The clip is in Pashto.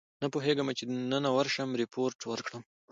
نه پوهېدم چې دننه ورشم ریپورټ ورکړم.